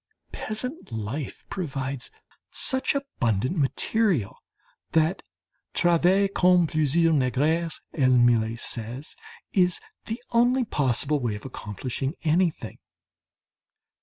Peasant life provides such abundant material that "travailler comme plusieurs nègres," as Millet says, is the only possible way of accomplishing anything.